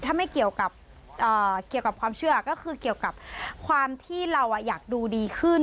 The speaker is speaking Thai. ถ้าไม่เกี่ยวกับเกี่ยวกับความเชื่อก็คือเกี่ยวกับความที่เราอยากดูดีขึ้น